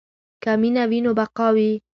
که مینه وي نو بقا وي.